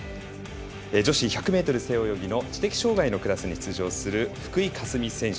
女子１００ｍ背泳ぎの知的障がいのクラスに出場する福井香澄選手。